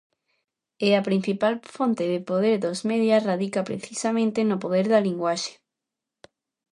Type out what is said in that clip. E a principal fonte de poder dos media radica precisamente no poder da linguaxe.